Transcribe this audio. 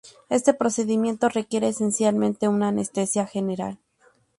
Este procedimiento requiere esencialmente una anestesia general.